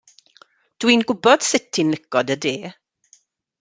Dw i'n gwybod sut ti'n licio dy de.